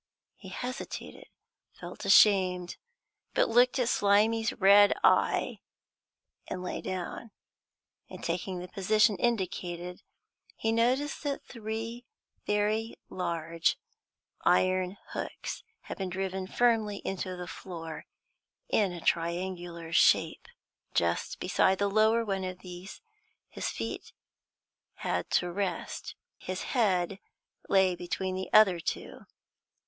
He hesitated, felt ashamed, but looked at Slimy's red eye, and lay down. In taking the position indicated, he noticed that three very large iron hooks had been driven firmly into the floor, in a triangular shape. Just beside the lower one of these his feet had to rest; his head lay between the other two.